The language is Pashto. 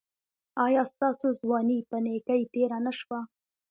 ایا ستاسو ځواني په نیکۍ تیره نه شوه؟